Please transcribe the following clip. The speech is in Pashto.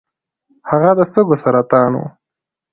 هغه د سږو سرطان و .